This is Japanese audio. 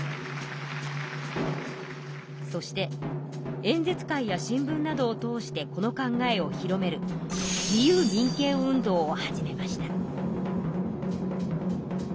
そして演説会や新聞などを通してこの考えを広める自由民権運動を始めました。